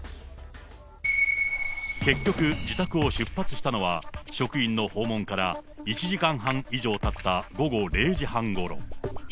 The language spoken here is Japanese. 結局、自宅を出発したのは、職員の訪問から１時間半以上たった、午後０時半ごろ。